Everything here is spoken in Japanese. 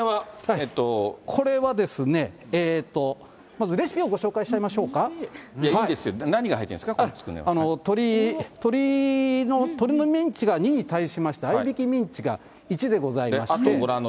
えっと、これはですね、まずレシピをご紹介しちゃいましょういいですよ、何が入ってるん鶏のミンチが２に対しまして、合いびきミンチが１でございまして。